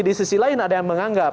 di sisi lain ada yang menganggap